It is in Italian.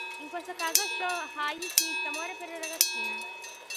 In questo caso "shōjo-ai" significa "amore per le ragazzine".